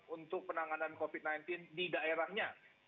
untuk penanganan covid sembilan belas di daerahnya